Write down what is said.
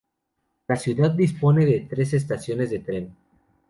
La ciudad dispone de tres estaciones de tren.